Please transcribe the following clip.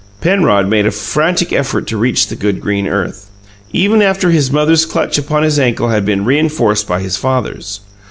Penrod made a frantic effort to reach the good green earth, even after his mother's clutch upon his ankle had been reenforced by his father's.